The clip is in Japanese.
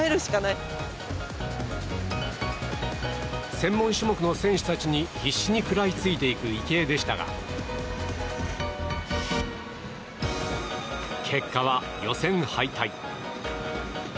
専門種目の選手たちに必死に食らいついていく池江でしたが結果は予選敗退。